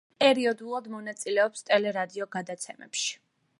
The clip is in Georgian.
პერიოდულად მონაწილეობს ტელე-რადიო გადაცემებში.